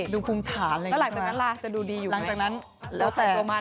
แล้วหลังจากนั้นการดูดีอยู่ไหม